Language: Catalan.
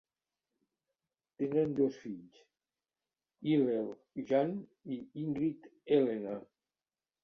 Tenen dos fills, Hillel Jan i Ingrid Helena.